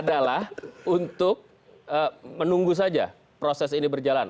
adalah untuk menunggu saja proses ini berjalan